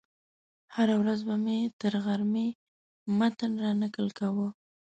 هره ورځ به مې تر غرمې متن رانقل کاوه.